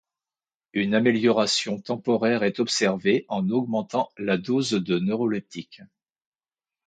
Une amélioration temporaire est observée en augmentant la dose de neuroleptiques.